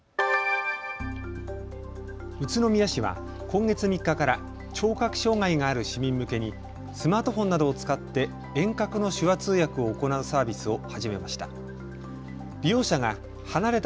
宇都宮市は今月３日から聴覚障害がある市民向けにスマートフォンなどを使って遠隔の手話通訳を行うサービスを始めました。